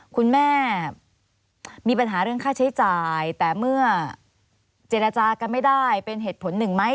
คุณแม่มีปัญหาเรื่องค่าใช้จ่ายแต่เมื่อเจรจากันไม่ได้เป็นเหตุผลหนึ่งไหม